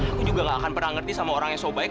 aku juga nggak akan pernah ngerti sama orang yang so baik